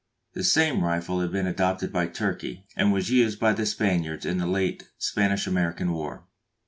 The same rifle has been adopted by Turkey, and was used by the Spaniards in the late Spanish American War.